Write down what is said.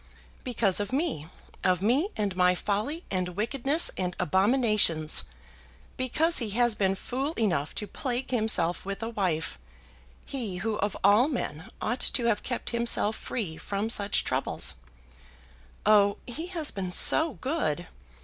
"Because of me, of me, and my folly, and wickedness, and abominations. Because he has been fool enough to plague himself with a wife he who of all men ought to have kept himself free from such troubles. Oh, he has been so good!